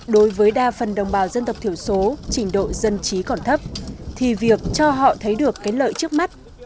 đối với đa phần đồng bào dân tộc thiểu số trình độ dân trí còn thấp thì việc cho họ thấy được cái lợi trước mắt